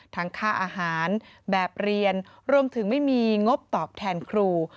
ค่าอาหารแบบเรียนรวมถึงไม่มีงบตอบแทนครู